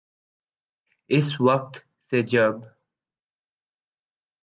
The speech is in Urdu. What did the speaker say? اس وقت سے جب